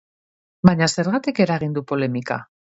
Baina, zergatik eragin du polemika?